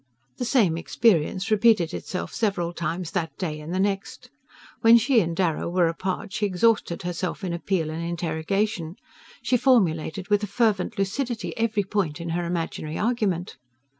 The same experience repeated itself several times that day and the next. When she and Darrow were apart she exhausted herself in appeal and interrogation, she formulated with a fervent lucidity every point in her imaginary argument.